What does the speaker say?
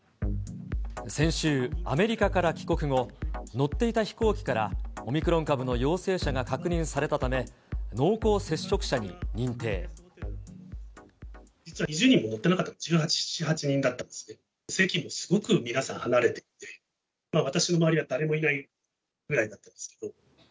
先週、アメリカから帰国後、乗っていた飛行機からオミクロン株の陽性者が確認されたため、実は２０人も乗ってなかった、１７、８人だったんですけど、席もすごく皆さん、離れていて、私の周りは誰もいないぐらいだったんですけど。